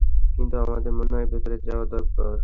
কিন্তু আমাদের মনে হয় ভেতরে যাওয়া দরকার।